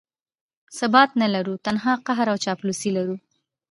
ثبات نه لرو، تنها قهر او چاپلوسي لرو.